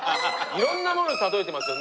色んなものに例えてますよ